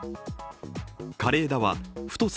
枯れ枝は太さ